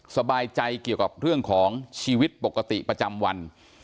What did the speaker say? สบายใจเกี่ยวกับเรื่องของชีวิตปกติประจำวัน